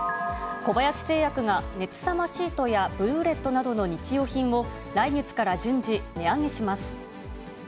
小林製薬が熱さまシートや、ブルーレットなどの日用品を、来月から順次、値上げします。